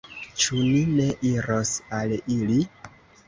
Ĉu ni ne iros al ili?